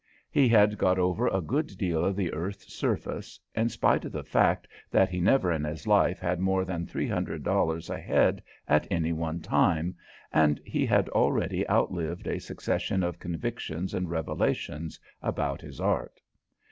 He had got over a good deal of the earth's surface, in spite of the fact that he never in his life had more than three hundred dollars ahead at any one time, and he had already outlived a succession of convictions and revelations about his art.